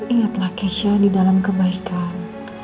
ingatlah kesha di dalam kebaikan